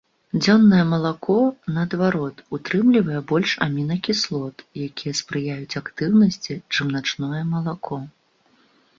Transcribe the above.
Дзённае малако, наадварот, утрымлівае больш амінакіслот, якія спрыяюць актыўнасці, чым начное малако.